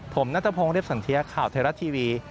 ผมนัทพงศ์เรียบสันเทียข่าวไทยรัฐทีวี